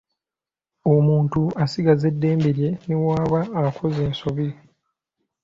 Omuntu asigaza eddembe lye ne bw'aba akoze ensobi.